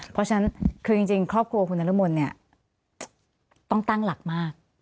เพราะฉะนั้นคือจริงครอบครัวคุณนรมนเนี่ยต้องตั้งหลักมาก